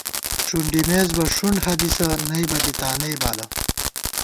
ݭُنڈِمېس بہ ݭُنڈحدیثہ، نئیبہ دی تانئ بالہ